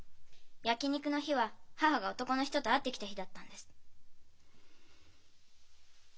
焼き肉の日は母が男の人と会ってきた日だったんです。